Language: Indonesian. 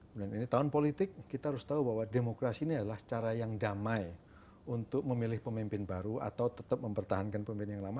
kemudian ini tahun politik kita harus tahu bahwa demokrasi ini adalah cara yang damai untuk memilih pemimpin baru atau tetap mempertahankan pemimpin yang lama